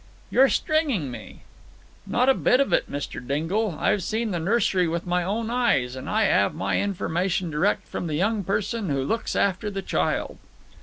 "You're stringing me!" "Not a bit of it, Mr. Dingle. I've seen the nursery with my own eyes, and I 'ave my information direct from the young person who looks after the child."